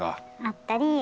あったり。